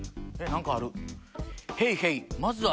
何かある。